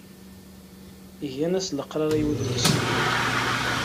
Gan-as leqrar i udlis-nni.